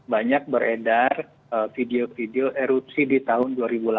banyak beredar video video erupsi di tahun dua ribu delapan belas